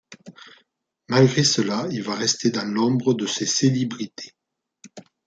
Malgré cela, il va rester dans l'ombre de ces célébrités.